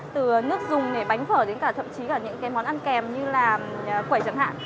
từ nước dùng để bánh phở đến cả thậm chí những món ăn kèm như là quẩy chẳng hạn